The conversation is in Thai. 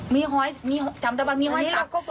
มีห้อยจำแต่ว่ามีห้อยสัก